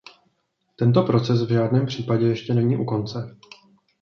Tento proces v žádném případě ještě není u konce.